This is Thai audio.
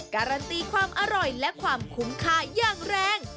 การันตีความอร่อยและความคุ้มค่าอย่างแรง